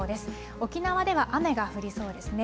沖縄では雨が降りそうですね。